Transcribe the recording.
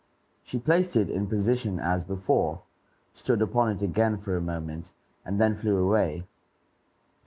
She placed it in position as before, stood upon it again for a moment, and then flew away.